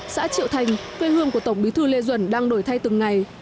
xã triệu thành quê hương của tổng bí thư lê duẩn đang đổi thay từng ngày